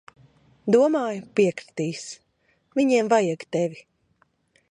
Domāju, piekritīs. Viņiem vajag tevi.